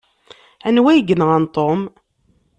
Anwa ay yenɣan Tom?